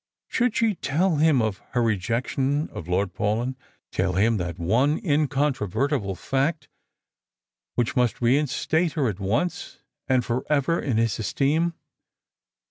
Should she tell him of her rejection of Lord Paulyn — tell him that one incontrovertible fact which must reinstate her at once and for ever in his esteem